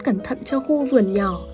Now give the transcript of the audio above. cẩn thận cho khu vườn nhỏ